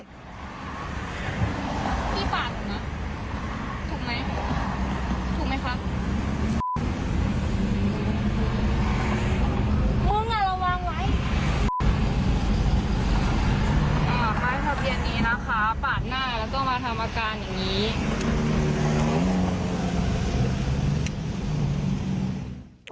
ปากหน้าแล้วต้องมาทำอาการอย่างนี้